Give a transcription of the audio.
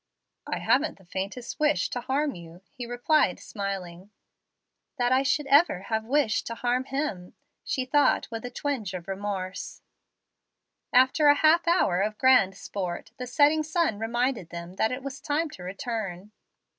"I haven't the faintest wish to harm you," he replied, smiling. "That I should ever have wished to harm him!" she thought, with a twinge of remorse. After a half hour of grand sport, the setting sun reminded them that it was time to return.